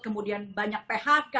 kemudian banyak phk